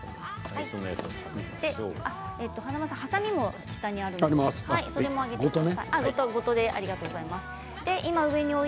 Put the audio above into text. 華丸さん、はさみも下にありますので上げてください。